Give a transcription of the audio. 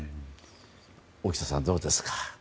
大下さん、どうですか。